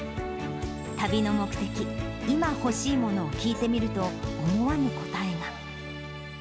旅の目的、今欲しいものを聞いてみると、思わぬ答えが。